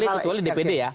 kecuali dpd ya